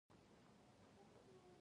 چې د مور ناروغي زياته سوې ده.